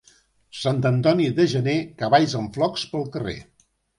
Sant Antoni de gener, cavalls amb flocs pel carrer.